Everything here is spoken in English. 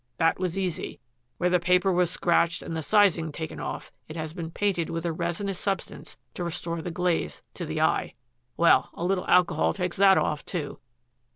That was easy. Where the paper was scratched and the sizing taken off, it has been painted with a resinous substance to restore the glaze, to the eye. Well, a little alcohol takes that off, too.